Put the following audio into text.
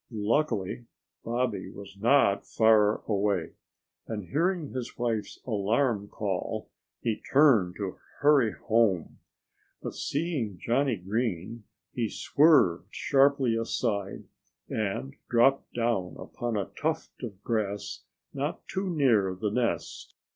Luckily Bobby was not far away. And hearing his wife's alarm call, he turned to hurry home. But seeing Johnnie Green, he swerved sharply aside and dropped down upon a tuft of grass not too near the nest.